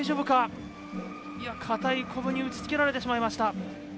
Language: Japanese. かたいコブに打ちつけられてしまいました。